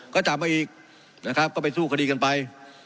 ก็จับมาอีกนะครับก็ไปสู้คดีกันไป